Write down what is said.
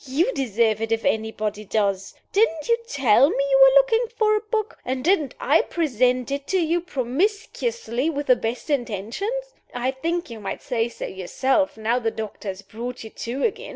You deserve it, if anybody does. Didn't you tell me you were looking for a book? And didn't I present it to you promiscuously, with the best intentions? I think you might say so yourself, now the doctor has brought you to again.